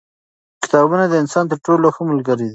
کتابونه د انسان تر ټولو ښه ملګري دي.